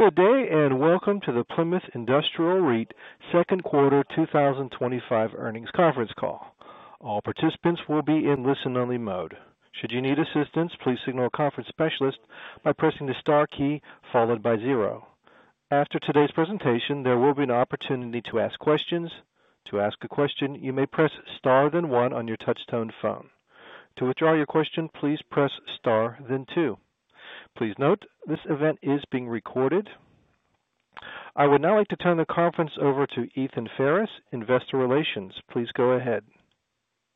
Good day and welcome to the Plymouth Industrial REIT Second Quarter 2025 Earnings Conference Call. All participants will be in listen-only mode. Should you need assistance, please signal a conference specialist by pressing the star key followed by zero. After today's presentation, there will be an opportunity to ask questions. To ask a question, you may press star then one on your touch-toned phone. To withdraw your question, please press star then two. Please note this event is being recorded. I would now like to turn the conference over to Ethan Farris, Investor Relations. Please go ahead.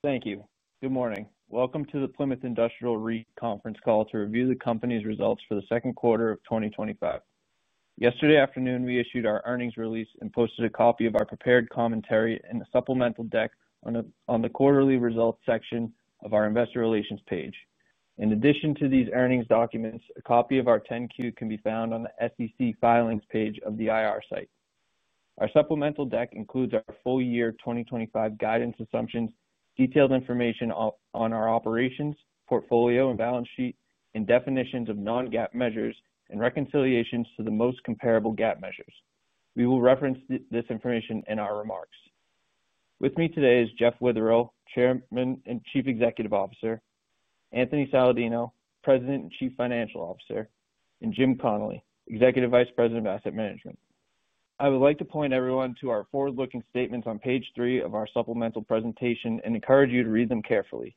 Thank you. Good morning. Welcome to the Plymouth Industrial REIT conference call to review the company's results for the second quarter of 2025. Yesterday afternoon, we issued our earnings release and posted a copy of our prepared commentary and a supplemental deck on the quarterly results section of our Investor Relations page. In addition to these earnings documents, a copy of our Form 10-Q can be found on the SEC filings page of the IR site. Our supplemental deck includes our full-year 2025 guidance assumptions, detailed information on our operations, portfolio, and balance sheet, and definitions of non-GAAP measures and reconciliations to the most comparable GAAP measures. We will reference this information in our remarks. With me today is Jeff Witherell, Chairman and Chief Executive Officer, Anthony Saladino, President and Chief Financial Officer, and Jim Connolly, Executive Vice President of Asset Management. I would like to point everyone to our forward-looking statements on page three of our supplemental presentation and encourage you to read them carefully.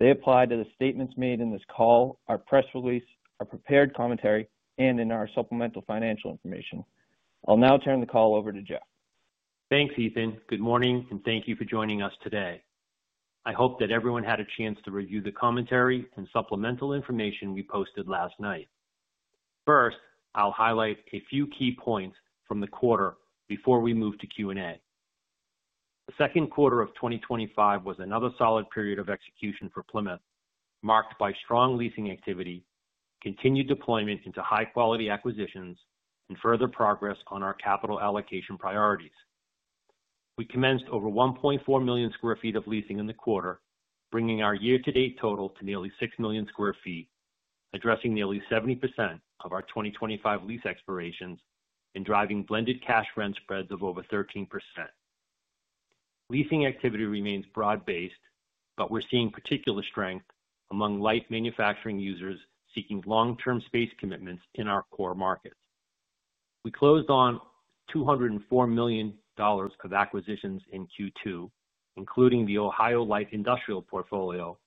They apply to the statements made in this call, our press release, our prepared commentary, and in our supplemental financial information. I'll now turn the call over to Jeff. Thanks, Ethan. Good morning and thank you for joining us today. I hope that everyone had a chance to review the commentary and supplemental information we posted last night. First, I'll highlight a few key points from the quarter before we move to Q&A. The second quarter of 2025 was another solid period of execution for Plymouth, marked by strong leasing activity, continued deployment into high-quality acquisitions, and further progress on our capital allocation priorities. We commenced over 1.4 million square feet of leasing in the quarter, bringing our year-to-date total to nearly 6 million square feet, addressing nearly 70% of our 2025 lease expirations and driving blended cash rent spreads of over 13%. Leasing activity remains broad-based, but we're seeing particular strength among light manufacturing users seeking long-term space commitments in our core markets. We closed on $204 million of acquisitions in Q2, including the Ohio Light Industrial portfolio,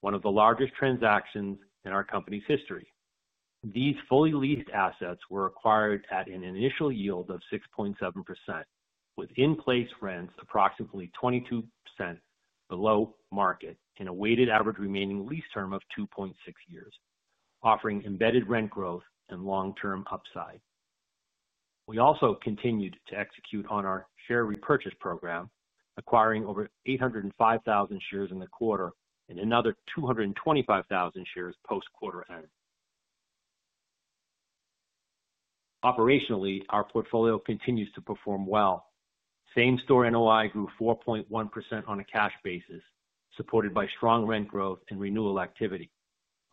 one of the largest transactions in our company's history. These fully leased assets were acquired at an initial yield of 6.7%, with in-place rents approximately 22% below market and a weighted average remaining lease term of 2.6 years, offering embedded rent growth and long-term upside. We also continued to execute on our share repurchase program, acquiring over 805,000 shares in the quarter and another 225,000 shares post-quarter end. Operationally, our portfolio continues to perform well. SameStore NOI grew 4.1% on a cash basis, supported by strong rent growth and renewal activity.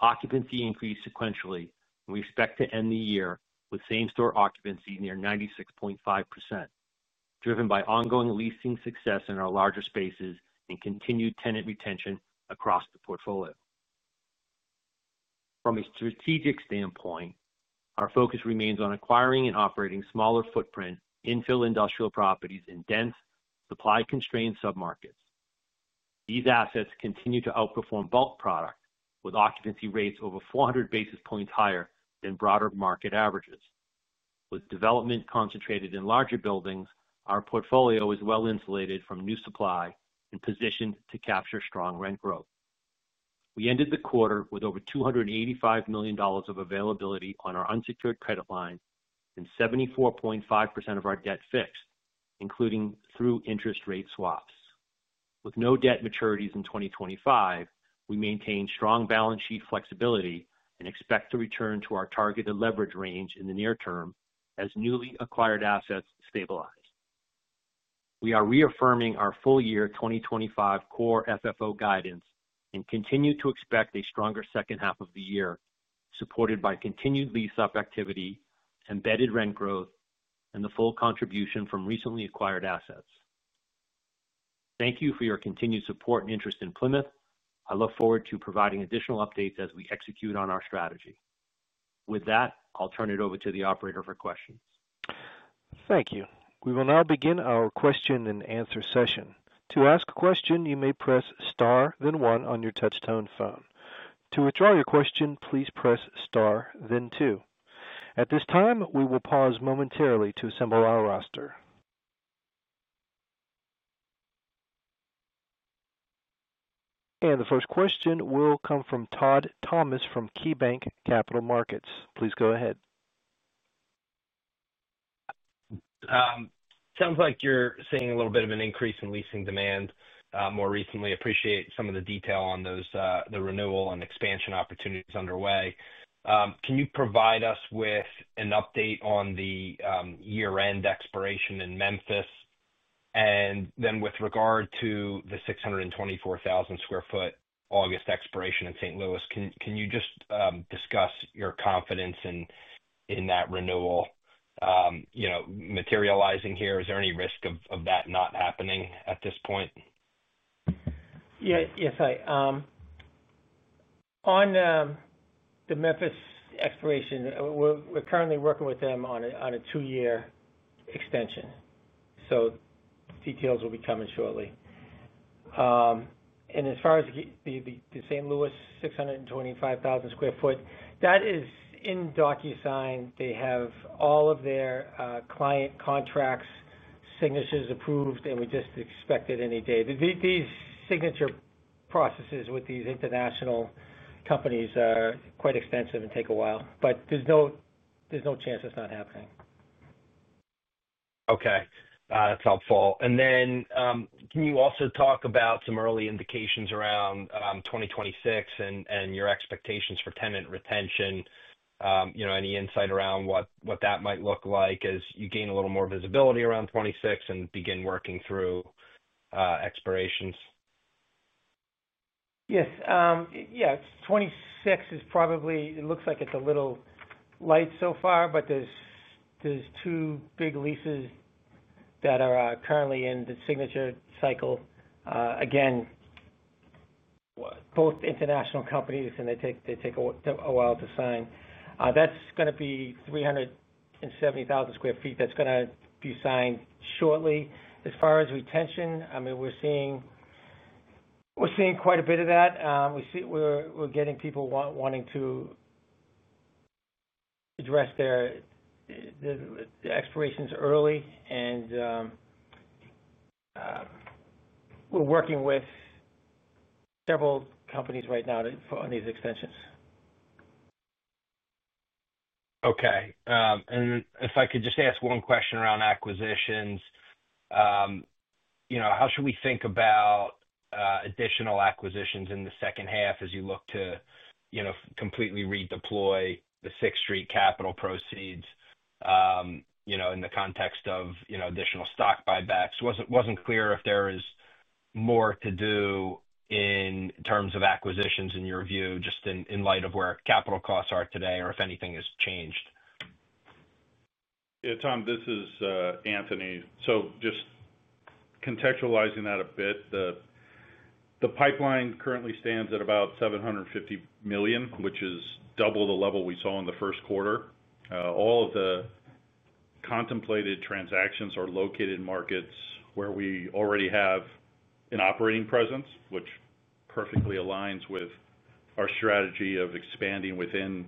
Occupancy increased sequentially, and we expect to end the year with SameStore occupancy near 96.5%, driven by ongoing leasing success in our larger spaces and continued tenant retention across the portfolio. From a strategic standpoint, our focus remains on acquiring and operating smaller footprint infill industrial properties in dense, supply-constrained submarkets. These assets continue to outperform bulk product, with occupancy rates over 400 basis points higher than broader market averages. With development concentrated in larger buildings, our portfolio is well insulated from new supply and positioned to capture strong rent growth. We ended the quarter with over $285 million of availability on our unsecured credit facility and 74.5% of our debt fixed, including through interest rate swaps. With no debt maturities in 2025, we maintain strong balance sheet flexibility and expect to return to our targeted leverage range in the near term as newly acquired assets stabilize. We are reaffirming our full-year 2025 core FFO guidance and continue to expect a stronger second half of the year, supported by continued lease-up activity, embedded rent growth, and the full contribution from recently acquired assets. Thank you for your continued support and interest in Plymouth. I look forward to providing additional updates as we execute on our strategy. With that, I'll turn it over to the operator for questions. Thank you. We will now begin our question and answer session. To ask a question, you may press star then one on your touch-tone phone. To withdraw your question, please press star then two. At this time, we will pause momentarily to assemble our roster. The first question will come from Todd Thomas from KeyBanc Capital Markets. Please go ahead. Sounds like you're seeing a little bit of an increase in leasing demand more recently. I appreciate some of the detail on those, the renewal and expansion opportunities underway. Can you provide us with an update on the year-end expiration in Memphis? With regard to the 624,000 square foot August expiration in St. Louis, can you just discuss your confidence in that renewal materializing here? Is there any risk of that not happening at this point? Yes, hi. On the Memphis expiration, we're currently working with them on a two-year extension. Details will be coming shortly. As far as the St. Louis 625,000 square foot, that is in DocuSign. They have all of their client contracts, signatures approved, and we just expect it any day. These signature processes with these international companies are quite extensive and take a while, but there's no chance it's not happening. Okay. That's helpful. Can you also talk about some early indications around 2026 and your expectations for tenant retention? Any insight around what that might look like as you gain a little more visibility around 2026 and begin working through expirations? Yes. 2026 is probably, it looks like it's a little light so far, but there's two big leases that are currently in the signature cycle. Again, both international companies, and they take a while to sign. That's going to be 370,000 square feet that's going to be signed shortly. As far as retention, we're seeing quite a bit of that. We're getting people wanting to address their expirations early, and we're working with several companies right now on these extensions. Okay. If I could just ask one question around acquisitions, how should we think about additional acquisitions in the second half as you look to completely redeploy the 6th Street Capital proceeds in the context of additional stock buybacks? It wasn't clear if there is more to do in terms of acquisitions in your view, just in light of where capital costs are today or if anything has changed. Yeah, Tom, this is Anthony. Just contextualizing that a bit, the pipeline currently stands at about $750 million, which is double the level we saw in the first quarter. All of the contemplated transactions are located in markets where we already have an operating presence, which perfectly aligns with our strategy of expanding within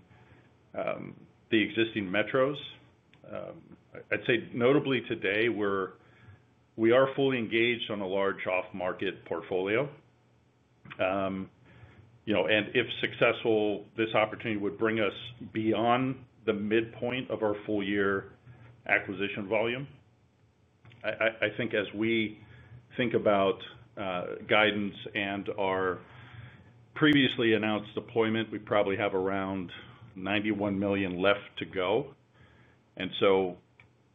the existing metros. I'd say notably today, we are fully engaged on a large off-market portfolio. If successful, this opportunity would bring us beyond the midpoint of our full-year acquisition volume. I think as we think about guidance and our previously announced deployment, we probably have around $91 million left to go.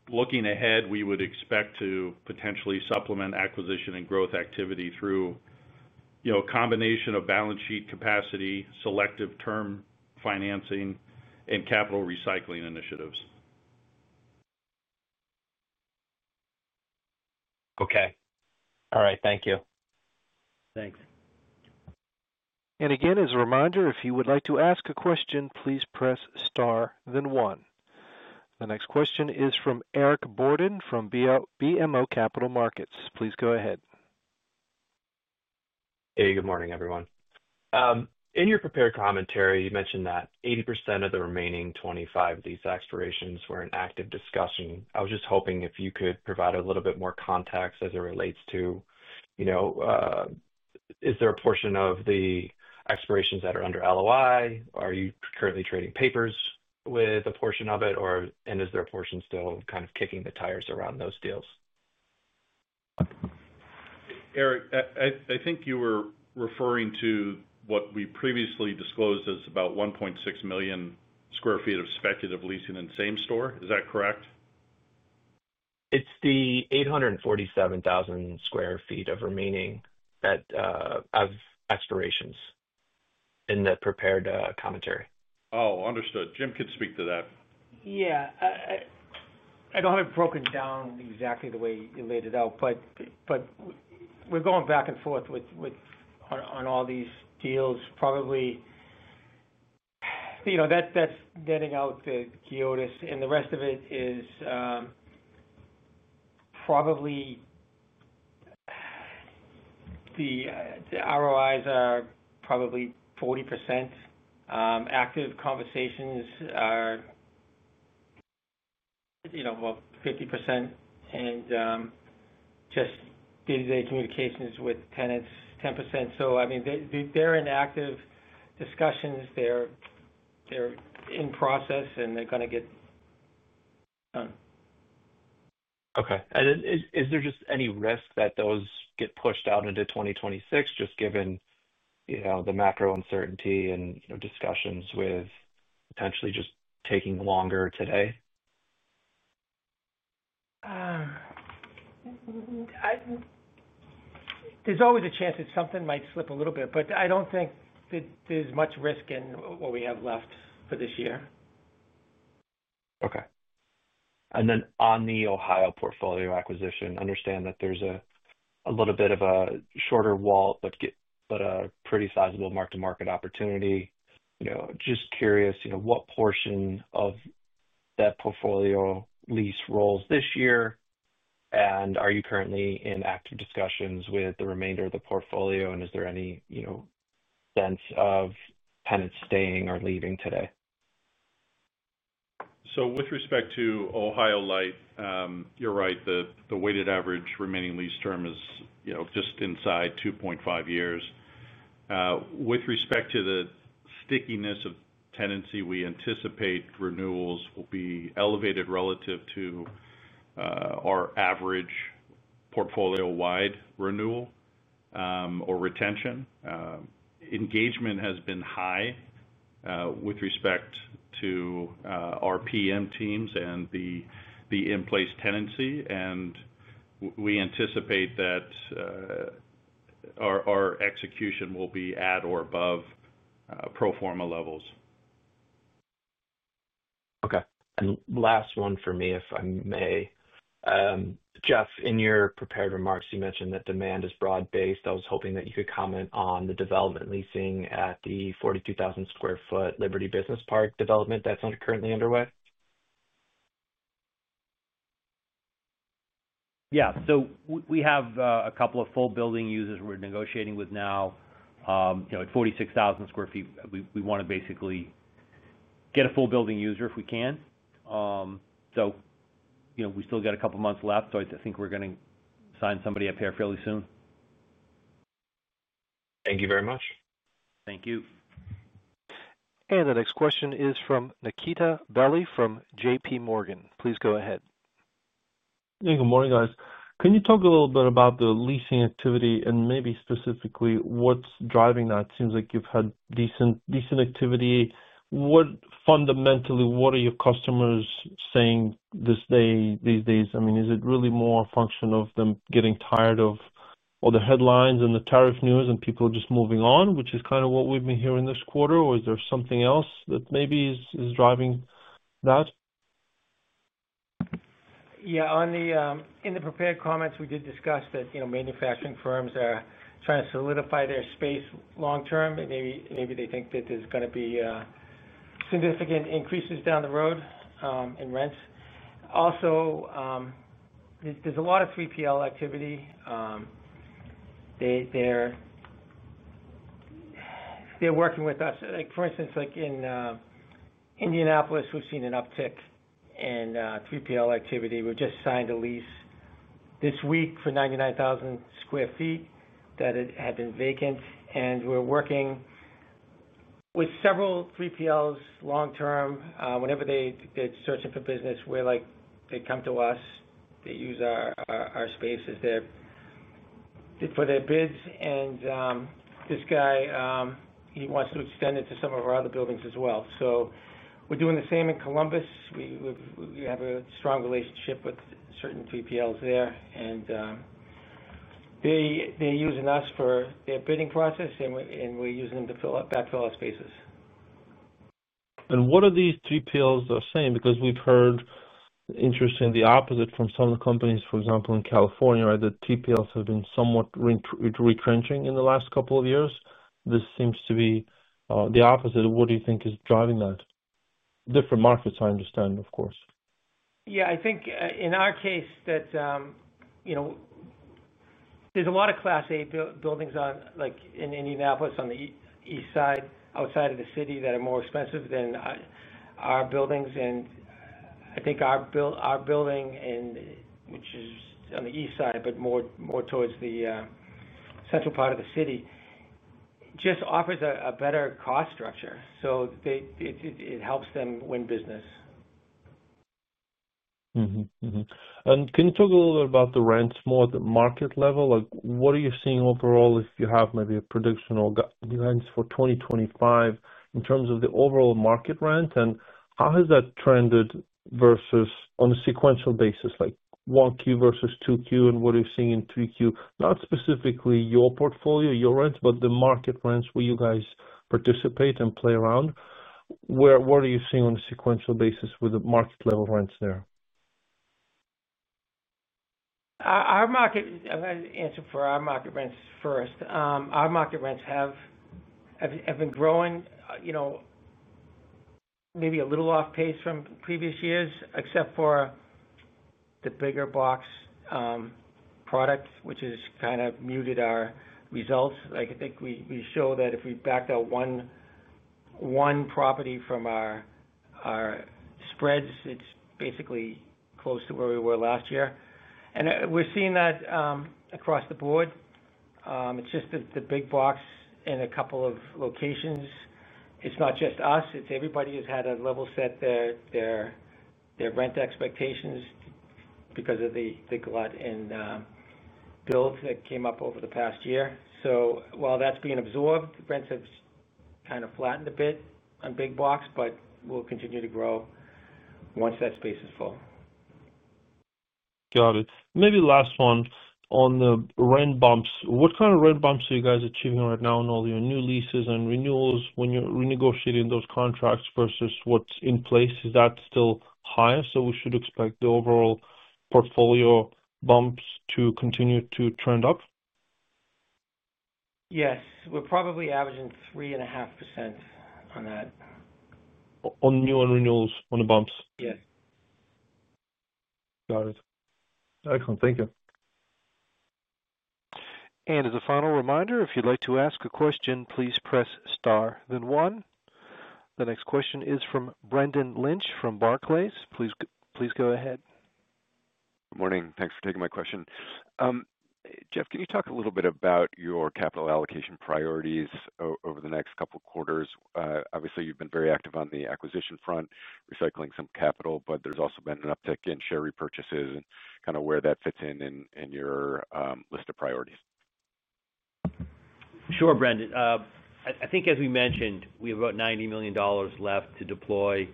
Looking ahead, we would expect to potentially supplement acquisition and growth activity through a combination of balance sheet capacity, selective term financing, and capital recycling initiatives. Okay. All right. Thank you. Thanks. As a reminder, if you would like to ask a question, please press star then one. The next question is from Eric Borden from BMO Capital Markets. Please go ahead. Hey, good morning, everyone. In your prepared commentary, you mentioned that 80% of the remaining 25 lease expirations were in active discussion. I was just hoping if you could provide a little bit more context as it relates to, you know, is there a portion of the expirations that are under LOI? Are you currently trading papers with a portion of it, or is there a portion still kind of kicking the tires around those deals? Eric, I think you were referring to what we previously disclosed as about 1.6 million square feet of speculative leasing in SameStore. Is that correct? It's the 847,000 square feet of remaining that have expirations in the prepared commentary. Oh, understood. Jim could speak to that. Yeah. I don't have it broken down exactly the way you laid it out, but we're going back and forth on all these deals. Probably that's netting out the geodes, and the rest of it is probably the ROIs are probably 40%. Active conversations are about 50%, and just day-to-day communications with tenants, 10%. I mean, they're in active discussions, they're in process, and they're going to get done. Is there just any risk that those get pushed out into 2026, just given the macro uncertainty and discussions with potentially just taking longer today? There's always a chance that something might slip a little bit, but I don't think that there's much risk in what we have left for this year. Okay. On the Ohio Light Industrial portfolio acquisition, I understand that there's a little bit of a shorter wall, but a pretty sizable mark-to-market opportunity. Just curious, what portion of that portfolio lease rolls this year, and are you currently in active discussions with the remainder of the portfolio, and is there any sense of tenants staying or leaving today? With respect to Ohio Light, you're right. The weighted average remaining lease term is, you know, just inside 2.5 years. With respect to the stickiness of tenancy, we anticipate renewals will be elevated relative to our average portfolio-wide renewal or retention. Engagement has been high with respect to our PM teams and the in-place tenancy, and we anticipate that our execution will be at or above pro forma levels. Okay. Last one for me, if I may. Jeff, in your prepared remarks, you mentioned that demand is broad-based. I was hoping that you could comment on the development leasing at the 42,000 square foot Liberty Business Park development that's currently underway. Yeah. We have a couple of full building users we're negotiating with now. It's 46,000 square feet. We want to basically get a full building user if we can. We still got a couple of months left. I think we're going to assign somebody up here fairly soon. Thank you very much. Thank you. The next question is from Nikita Belle from JPMorgan. Please go ahead. Good morning, guys. Can you talk a little bit about the leasing activity and maybe specifically what's driving that? It seems like you've had decent activity. What fundamentally, what are your customers saying these days? I mean, is it really more a function of them getting tired of all the headlines and the tariff news and people just moving on, which is kind of what we've been hearing this quarter, or is there something else that maybe is driving that? Yeah, in the prepared comments, we did discuss that, you know, manufacturing firms are trying to solidify their space long-term. Maybe they think that there's going to be significant increases down the road in rents. Also, there's a lot of 3PL activity. They're working with us. For instance, in Indianapolis, we've seen an uptick in 3PL activity. We just signed a lease this week for 99,000 square feet that had been vacant, and we're working with several 3PLs long-term. Whenever they're searching for business, they come to us. They use our space for their bids. This guy wants to extend it to some of our other buildings as well. We're doing the same in Columbus. We have a strong relationship with certain 3PLs there, and they're using us for their bidding process, and we're using them to backfill our spaces. What are these 3PLs saying? We've heard, interestingly, the opposite from some of the companies, for example, in California, where the 3PLs have been somewhat retrenching in the last couple of years. This seems to be the opposite. What do you think is driving that? Different markets, I understand, of course. Yeah, I think in our case that there's a lot of Class A buildings in Indianapolis on the east side, outside of the city, that are more expensive than our buildings. I think our building, which is on the east side but more towards the central part of the city, just offers a better cost structure. It helps them win business. Can you talk a little bit about the rents more at the market level? What are you seeing overall if you have maybe a prediction or guidance for 2025 in terms of the overall market rent? How has that trended versus on a sequential basis, like Q1 versus Q2, and what are you seeing in Q3? Not specifically your portfolio, your rents, but the market rents where you guys participate and play around. What are you seeing on a sequential basis with the market level rents there? I'm going to answer for our market rents first. Our market rents have been growing, you know, maybe a little off pace from previous years, except for the bigger box products, which has kind of muted our results. I think we show that if we backed out one property from our spreads, it's basically close to where we were last year. We're seeing that across the board. It's just that the big box in a couple of locations, it's not just us. Everybody has had to level set their rent expectations because of the glut and builds that came up over the past year. While that's being absorbed, rents have kind of flattened a bit on big box, but we'll continue to grow once that space is full. Got it. Maybe last one on the rent bumps. What kind of rent bumps are you guys achieving right now in all your new leases and renewals when you're renegotiating those contracts versus what's in place? Is that still high? Should we expect the overall portfolio bumps to continue to trend up? Yes, we're probably averaging 3.5% on that. On new and renewals on the bumps. Yes. Got it. Excellent. Thank you. As a final reminder, if you'd like to ask a question, please press star then one. The next question is from Brendan Lynch from Barclays. Please go ahead. Good morning. Thanks for taking my question. Jeff, can you talk a little bit about your capital allocation priorities over the next couple of quarters? Obviously, you've been very active on the acquisition front, recycling some capital, but there's also been an uptick in share repurchases and kind of where that fits in in your list of priorities. Sure, Brendan. I think as we mentioned, we have about $90 million left to deploy,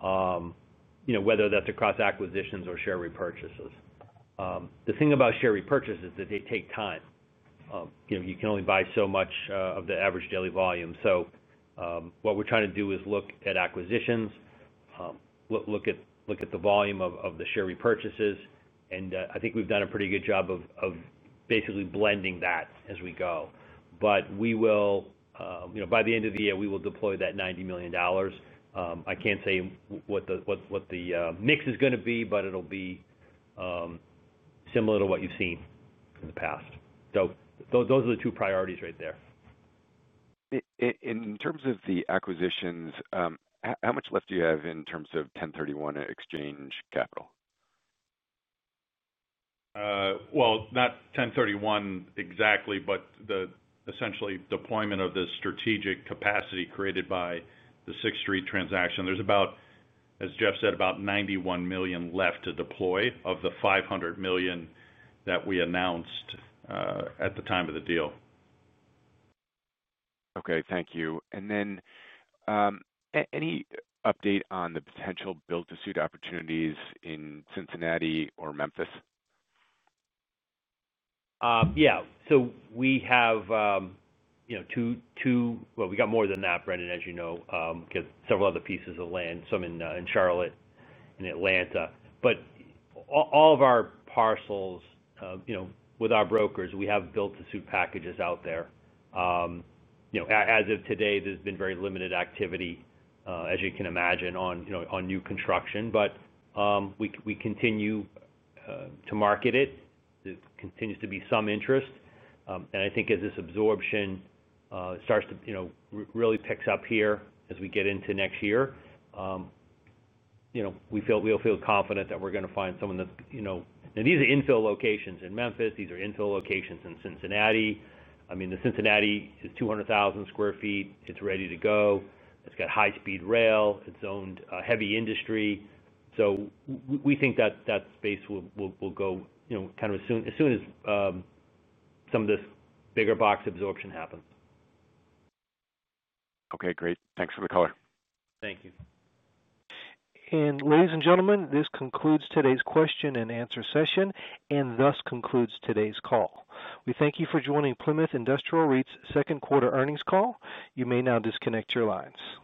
whether that's across acquisitions or share repurchases. The thing about share repurchases is that they take time. You can only buy so much of the average daily volume. What we're trying to do is look at acquisitions, look at the volume of the share repurchases, and I think we've done a pretty good job of basically blending that as we go. We will, by the end of the year, deploy that $90 million. I can't say what the mix is going to be, but it'll be similar to what you've seen in the past. Those are the two priorities right there. In terms of the acquisitions, how much left do you have in terms of 1031 exchange capital? Not 1031 exactly, but the essentially deployment of this strategic capacity created by the 6th Street transaction. There's about, as Jeff said, about $91 million left to deploy of the $500 million that we announced at the time of the deal. Okay. Thank you. Any update on the potential build-to-suit opportunities in Cincinnati or Memphis? Yeah. We have, you know, two, well, we got more than that, Brendan, as you know, because several other pieces of land, some in Charlotte and Atlanta. All of our parcels, you know, with our brokers, we have build-to-suit packages out there. As of today, there's been very limited activity, as you can imagine, on new construction. We continue to market it. There continues to be some interest. I think as this absorption starts to, you know, really pick up here as we get into next year, we'll feel confident that we're going to find someone that's, you know, and these are infill locations in Memphis. These are infill locations in Cincinnati. The Cincinnati is 200,000 square feet. It's ready to go. It's got high-speed rail. It's zoned heavy industry. We think that that space will go, you know, kind of as soon as some of this bigger box absorption happens. Okay. Great. Thanks for the cover. Thank you. Ladies and gentlemen, this concludes today's question and answer session and thus concludes today's call. We thank you for joining Plymouth Industrial REIT's second quarter earnings call. You may now disconnect your lines.